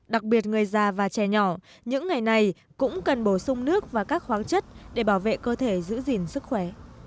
đặc biệt người già và trẻ nhỏ những ngày này cũng cần bổ sung nước và các khoáng chất để bảo vệ cơ thể giữ gìn sức khỏe